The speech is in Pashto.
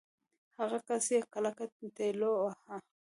هغه کس يې کلک ټېلوهه.